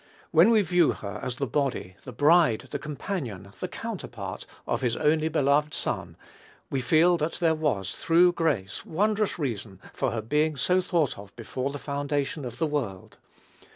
When we view her as the body, the bride, the companion, the counterpart, of his only begotten Son, we feel that there was, through grace, wondrous reason for her being so thought of before the foundation of the world.